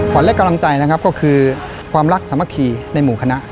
และกำลังใจนะครับก็คือความรักสามัคคีในหมู่คณะ